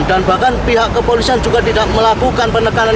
dan bahkan pihak kepolisian juga tidak melakukan penekanan